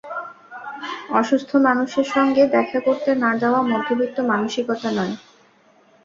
অসুস্থ মানুষের সঙ্গে দেখা করতে না-দেওয়া মধ্যবিত্ত মানসিকতা নয়।